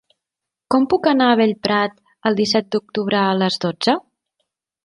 Com puc anar a Bellprat el disset d'octubre a les dotze?